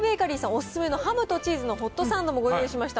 お勧めのハムとチーズのホットサンドもご用意しました。